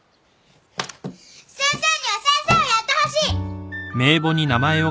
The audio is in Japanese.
先生には先生をやってほしい！